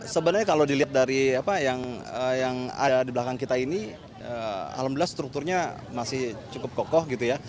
sebenarnya kalau dilihat dari apa yang ada di belakang kita ini alhamdulillah strukturnya masih cukup kokoh gitu ya